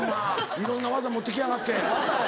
いろんな技持って来やがって。